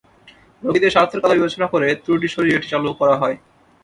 রোগীদের স্বার্থের কথা বিবেচনা করে ত্রুটি সরিয়ে এটি চালু করা হয়।